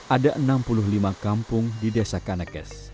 ada enam puluh lima kampung di desa kanekes